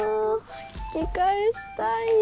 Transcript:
聞き返したいよ。